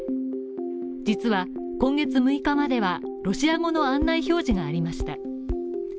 実は、今月６日まではロシア語の案内表示がありました。